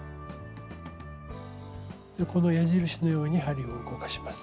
この矢印のように針を動かします。